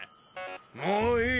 もういい！